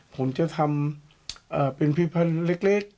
ผมจะทำเป็นพิพันธ์เล็ก